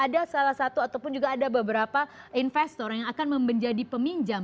ada salah satu ataupun juga ada beberapa investor yang akan menjadi peminjam